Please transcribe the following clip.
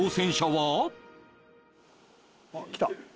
あっ来た。